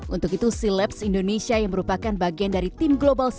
untuk itu silaps indonesia yang merupakan bagian dari tim global